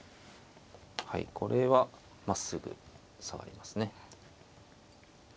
はいこれはまっすぐ下がりますね。